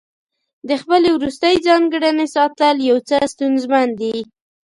د خپلې وروستۍ ځانګړنې ساتل یو څه ستونزمن دي.